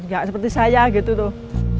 gak seperti saya gitu tuh